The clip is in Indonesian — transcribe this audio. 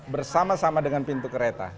bersama sama dengan pintu kereta